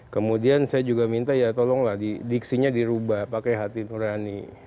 kemudian saya juga minta ya tolonglah diksinya dirubah pakai hati nurani